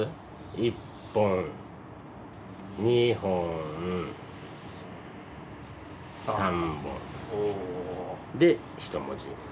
１本２本３本で１文字。